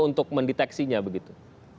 untuk mendeteksinya begitu